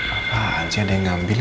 apaan sih ada yang ngambil